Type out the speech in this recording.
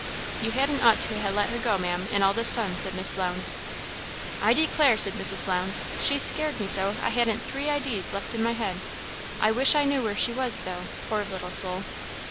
"You hadn't ought to ha' let her go, Ma'am, in all this sun," said Miss Lowndes. "I declare," said Mrs. Lowndes, "she scared me so, I hadn't three idees left in my head. I wish I knew where she was, though, poor little soul!"